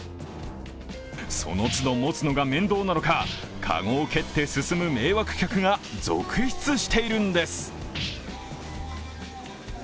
その都度、持つの面倒なのかカゴを蹴って進む迷惑客が続出しているんです。